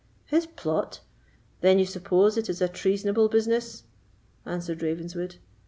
"His plot! Then you suppose it is a treasonable business," answered Ravenswood.